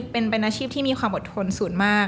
เป็นอาชีพที่มีความปกติสูญมาก